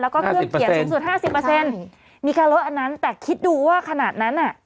แล้วก็เครื่องเขียนสุดสุด๕๐มีการลดอันนั้นแต่คิดดูว่าขนาดนั้น